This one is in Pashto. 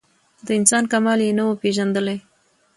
د انسان کمال یې نه وو پېژندلی